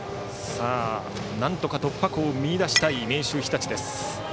なんとか突破口を見いだしたい明秀日立です。